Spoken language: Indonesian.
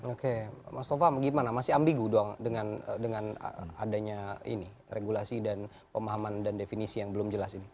oke mas tova gimana masih ambigu doang dengan adanya ini regulasi dan pemahaman dan definisi yang belum jelas ini